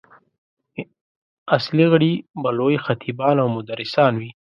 اصلي غړي به لوی خطیبان او مدرسان وي.